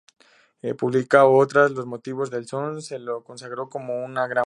Publicado tras "Los motivos del son", le consagró como gran poeta.